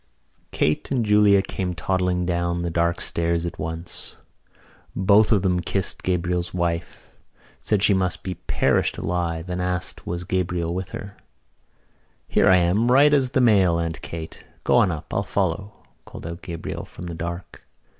Kate and Julia came toddling down the dark stairs at once. Both of them kissed Gabriel's wife, said she must be perished alive and asked was Gabriel with her. "Here I am as right as the mail, Aunt Kate! Go on up. I'll follow," called out Gabriel from the dark.